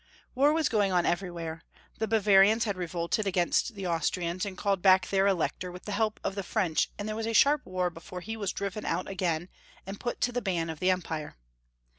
War was going on everywhere. The Bavarians had revolted against the Austrians, and called back their Elector with the help of the French and there was a sharp war before he was driven out again, and put to the ban of the Empire.